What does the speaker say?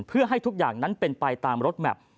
เพื่อให้ทุกอย่างนั้นเป็นไปตามรถแมพ